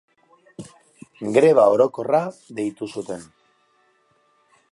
Greba orokorra deitu zuten.